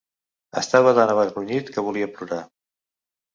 Estava tan avergonyit que volia plorar.